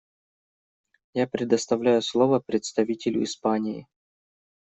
Я предоставляю слово представителю Испании.